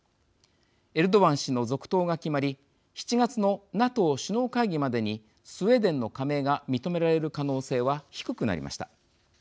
エルドアン氏の続投が決まり７月のＮＡＴＯ首脳会議までにスウェーデンの加盟が認められる可能性は低くなりました。